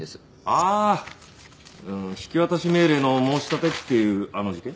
ああ引渡命令の申し立てっていうあの事件？